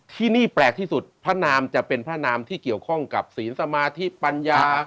ที่นี่แปลกที่สุดพระนามจะเป็นพระนามที่เกี่ยวข้องกับศีลสมาธิปัญญา